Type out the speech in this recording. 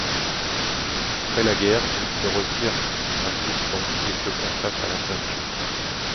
Après la guerre, il se retire à Soustons et se consacre à la peinture.